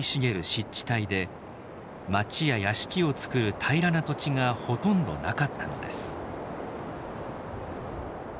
湿地帯で町や屋敷をつくる平らな土地がほとんどなかったのです